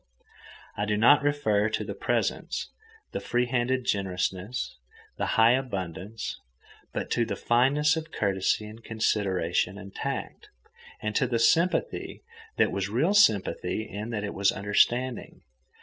I do not refer to the presents, the free handed generousness, the high abundance, but to the fineness of courtesy and consideration and tact, and to the sympathy that was real sympathy in that it was understanding.